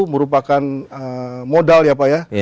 merupakan modal ya pak ya